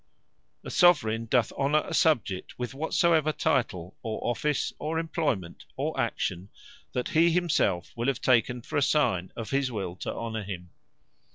A Soveraigne doth Honour a Subject, with whatsoever Title, or Office, or Employment, or Action, that he himselfe will have taken for a signe of his will to Honour him.